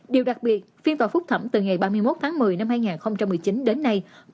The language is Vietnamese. điều đặc biệt phiên tòa phúc thẩm từ ngày ba mươi một tháng một mươi năm hai nghìn một mươi chín đến nay